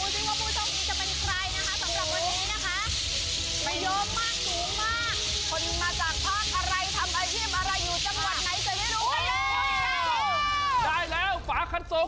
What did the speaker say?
สิว่าผู้โชคดีจะเป็นใครนะคะสำหรับวันนี้นะคะ